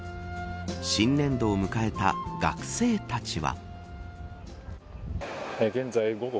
新年度を迎えた学生たちは。